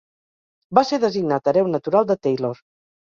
Va ser designat hereu natural de Taylor.